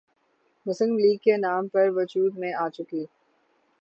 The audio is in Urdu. مسلم لیگ کے نام پر وجود میں آ چکی